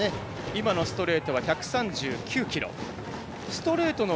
今のストレートは１３９キロ。